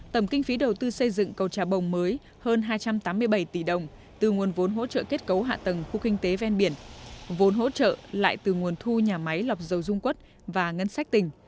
tổng kinh phí đầu tư xây dựng cầu trà bồng mới hơn hai trăm tám mươi bảy tỷ đồng từ nguồn vốn hỗ trợ kết cấu hạ tầng khu kinh tế ven biển vốn hỗ trợ lại từ nguồn thu nhà máy lọc dầu dung quất và ngân sách tỉnh